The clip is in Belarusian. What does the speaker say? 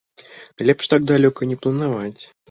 Лепш так далёка не планаваць.